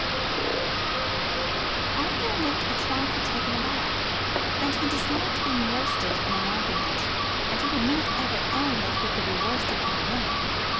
Sir Arthur looked a trifle taken aback, but he disliked being worsted in an argument, and he would not ever own that he could be worsted by a woman.